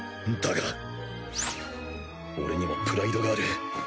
だが俺にもプライドがある。